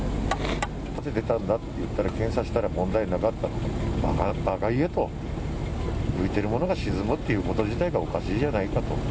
なぜ出たんだって言ったら、検査したら問題なかったと、ばか言えと、浮いているものが沈むということ自体がおかしいじゃないかと。